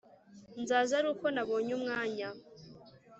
Nzaza aruko nabonye umwanya